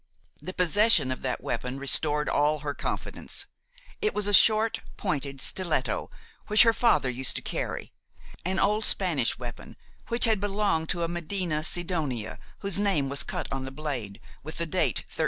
The possession of that weapon restored all her confidence; it was a short, pointed stiletto, which her father used to carry; an old Spanish weapon which had belonged to a Medina Sidonia, whose name was cut on the blade, with the date 1300.